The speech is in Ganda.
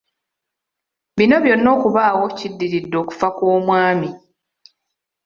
Bino byonna okubaawo kiddiridde okufa kw'omwami.